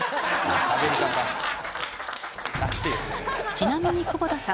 ちなみに久保田さん